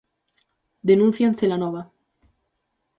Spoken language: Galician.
Denuncia en Celanova.